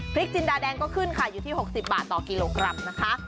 จินดาแดงก็ขึ้นค่ะอยู่ที่๖๐บาทต่อกิโลกรัมนะคะ